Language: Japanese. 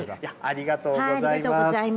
ありがとうございます。